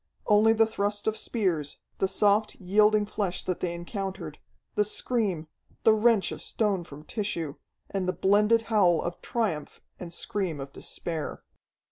Only the thrust of spears, the soft, yielding flesh that they encountered, the scream, the wrench of stone from tissue, and the blended howl of triumph and scream of despair.